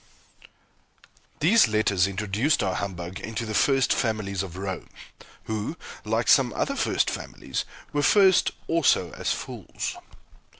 These letters introduced our humbug into the first families of Rome; who, like some other first families, were first also as fools.